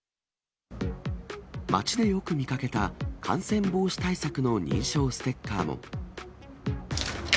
街でよく見かけた感染防止対策の認証ステッカーも。